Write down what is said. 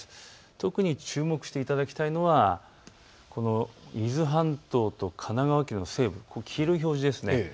特に注目していただきたいのは伊豆半島と神奈川県西部、黄色い表示ですね。